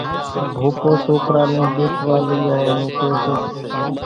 ڀوپو سوڪرا نين ۮيتوا لئي آيا نون ڪي سي